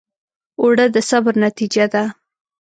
اوړه د صبر نتیجه ده